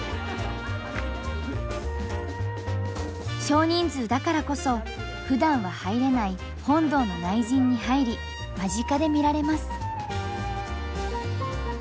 少人数だからこそふだんは入れない本堂の内陣に入り間近で見られます。